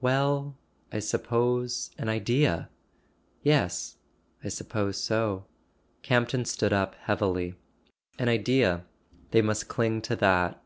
"Well—I suppose, an Idea." "Yes. I suppose so." Campton stood up heavily. An Idea: they must cling to that.